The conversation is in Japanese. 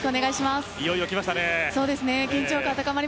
いよいよ、きましたね。